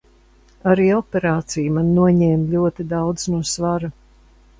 Arī operācija man noņēma ļoti daudz no svara.